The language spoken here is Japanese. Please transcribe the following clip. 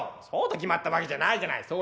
「そうと決まったわけじゃないじゃない」。